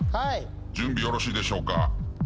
準備よろしいでしょうか？